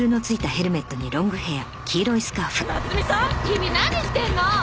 君何してんの？